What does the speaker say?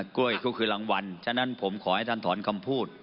กล้วยก็คือรางวัลฉะนั้นผมขอให้ท่านถอนคำพูด